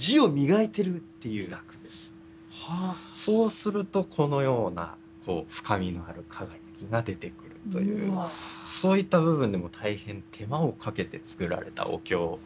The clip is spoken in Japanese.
そうするとこのような深みのある輝きが出てくるというそういった部分でも大変手間をかけて作られたお経なんです。